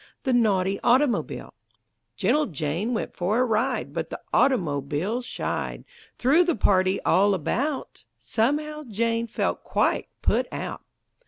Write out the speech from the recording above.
THE NAUGHTY AUTOMOBILE Gentle Jane went for a ride, But the automobile shied; Threw the party all about Somehow, Jane felt quite put out.